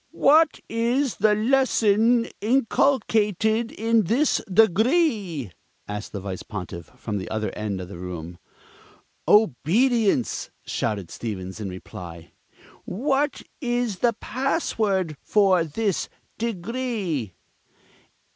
"What is the lesson inculcated in this Degree?" asked the Vice Pontiff from the other end of the room. "Obedience!" shouted Stevens in reply. "What is the password of this Degree?"